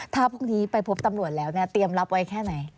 ถ้าพรุ่งนี้ไปพบตำรวจแล้วเนี่ยเตรียมรับไว้แค่ไหน